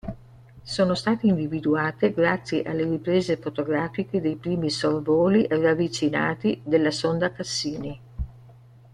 Sono state individuate grazie alle riprese fotografiche dei primi sorvoli ravvicinati della sonda Cassini.